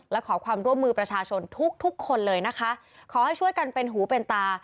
และขอความร่วมมือประชาชนทุกทุกคนเลยนะคะขอให้ช่วยกันเป็นหูเป็นตา